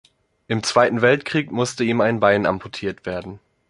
Im Zweiten Weltkrieg musste ihm ein Bein amputiert werden.